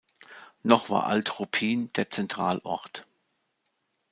Noch war Alt Ruppin der Zentralort.